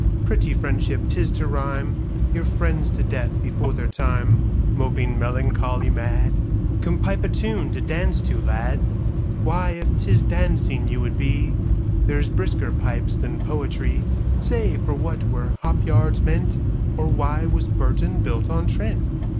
Pretty friendship 'tis to rhymeYour friends to death before their timeMoping melancholy mad:Come, pipe a tune to dance to, lad.'Why, if 'tis dancing you would be, There's brisker pipes than poetry. Say, for what were hop yards meant, Or why was Burton built on Trent?